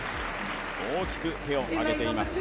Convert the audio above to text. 大きく手を上げています。